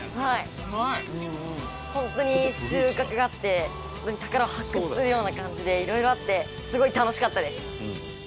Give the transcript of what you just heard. ホントに収穫があって宝を発掘するような感じで色々あってすごい楽しかったです。